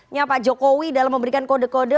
nya pak jokowi dalam memberikan kode kode